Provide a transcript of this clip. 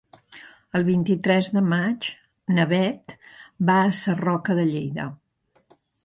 El vint-i-tres de maig na Beth va a Sarroca de Lleida.